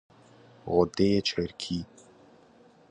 غده چرکی